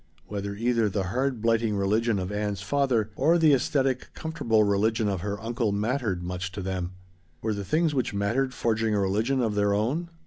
Whether either the hard blighting religion of Ann's father, or the aesthetic comfortable religion of her uncle "mattered" much to them? Were the things which "mattered" forging a religion of their own?